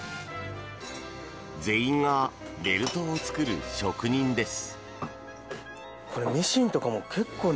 全員がベルトを作る職人です。